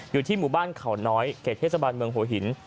อยู่ที่หมู่บ้านเขาน้อยเขตเทศบาลเมืองหัวหิน